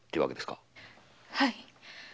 はい。